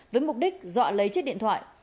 với mục đích dọa lấy chiếc điện thoại